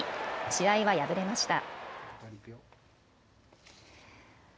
試合は敗れました。